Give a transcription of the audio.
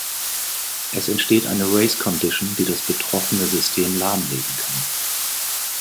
Es entsteht eine Race Condition, die das betroffene System lahmlegen kann.